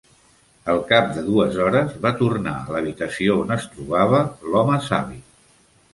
Al cap de dues hores, va tornar a l'habitació on es trobava l'home savi.